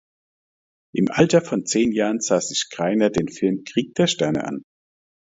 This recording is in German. Im Alter von zehn Jahren sah sich Greiner den Film Krieg der Sterne an.